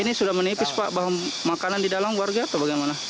ini sudah menipis pak makanan di dalam warga atau bagaimana